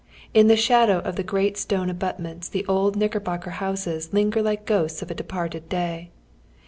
In the shadow of the great stone abut ments the old Knickerbocker houses linger like ghosts of a departed day.